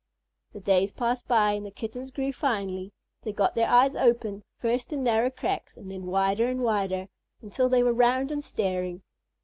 The days passed by, and the Kittens grew finely. They got their eyes open, first in narrow cracks, and then wider and wider, until they were round and staring.